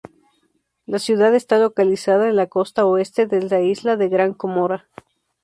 La ciudad está localizada en la costa oeste de la isla de Gran Comora.